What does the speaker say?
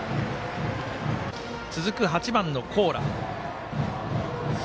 続く８番の高良。